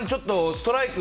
ストライク